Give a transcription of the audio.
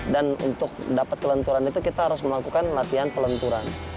dan untuk mendapatkan kelenturan itu kita harus melakukan latihan pelenturan